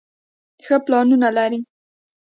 ښۀ پلانونه لري